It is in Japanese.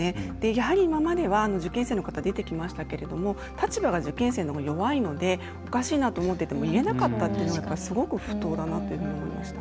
やはり今までは受験生の方出てきましたけれども立場が受験生のほうが弱いのでおかしいなと思ってても言えなかったというのがすごく不当だなと思いました。